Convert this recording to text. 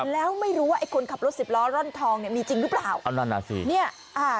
แล้วไม่รู้ว่าไอ้คนขับรถสิบล้อร่อนทองเนี่ยมีจริงหรือเปล่า